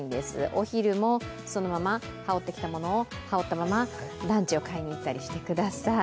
お昼もそのまま羽織ってきたものを羽織ったままランチを買いに行ったりしてください。